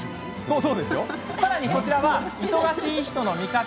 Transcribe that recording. さらに、こちらは忙しい人の味方。